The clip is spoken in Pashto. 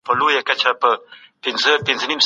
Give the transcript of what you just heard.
پوهه انسان ته د پرېکړې واک ورکوي.